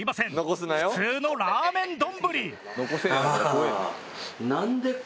普通のラーメン丼。